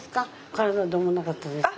体どうもなかったですか？